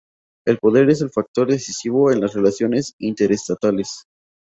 El poder es el factor decisivo en las relaciones interestatales.